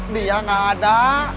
dia gak ada